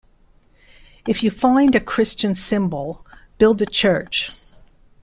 If you find a Christian symbol, build a church.